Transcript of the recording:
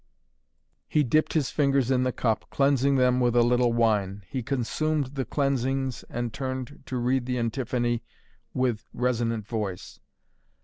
He dipped his fingers in the cup, cleansing them with a little wine. He consumed the cleansings and turned to read the antiphony with resonant voice.